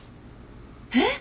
えっ！？